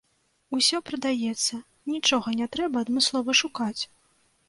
Усё прадаецца, нічога не трэба адмыслова шукаць.